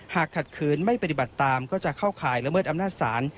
ขัดขืนไม่ปฏิบัติตามก็จะเข้าข่ายละเมิดอำนาจศาล